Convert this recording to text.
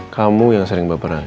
kamu yang sering baperan